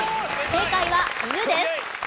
正解は犬です。